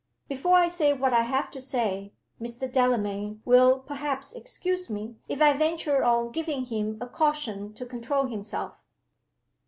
Before I say what I have to say, Mr. Delamayn will perhaps excuse me, if I venture on giving him a caution to control himself."